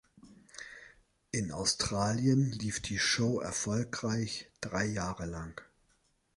In Australien lief die Show erfolgreich drei Jahre lang.